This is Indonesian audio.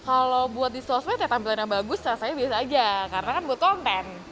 kalau buat di sosial media tampilannya bagus rasanya biasa saja karena kan butuh konten